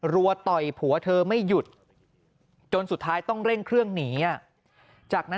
รัวต่อยผัวเธอไม่หยุด